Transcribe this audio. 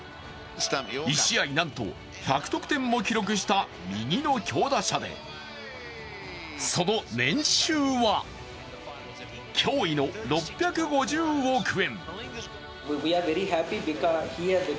１試合、なんと１００得点も記録した右の強打者でその年収は、驚異の６５０億円。